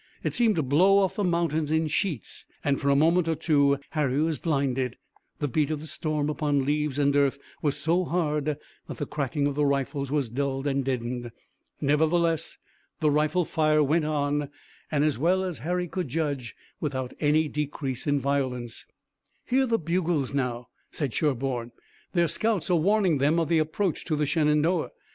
It seemed to blow off the mountains in sheets and for a moment or two Harry was blinded. The beat of the storm upon leaves and earth was so hard that the cracking of the rifles was dulled and deadened. Nevertheless the rifle fire went on, and as well as Harry could judge, without any decrease in violence. "Hear the bugles now!" said Sherburne. "Their scouts are warning them of the approach to the Shenandoah.